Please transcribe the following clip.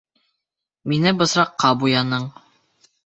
Мине бысраҡҡа буяның!